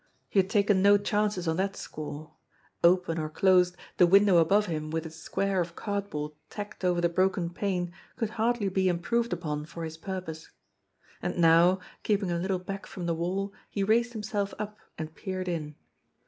He had taken no changes on that score. Open or closed, the window above him with its square of cardboard tacked over the broken pane could hardly be improved upon for his purpose. And now, keeping a little back from the wall, he raised himself up and peered in.